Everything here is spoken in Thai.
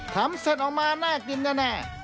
ทำเสร็จออกมาน่ากินแน่